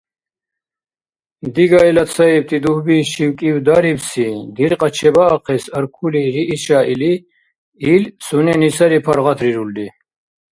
Дигайла цаибти дугьби шивкӀивдарибси диркьа чебаахъес аркули рииша или, ил сунени сари паргъатрирулри.